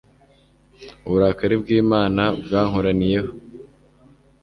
uburakari bw'imana bwankoraniyeho